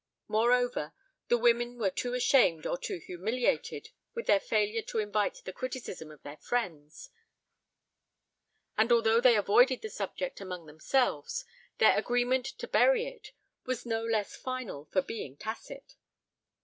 Moreover, the women were too ashamed or too humiliated with their failure to invite the criticism of their friends, and although they avoided the subject among themselves, their agreement to bury it was no less final for being tacit.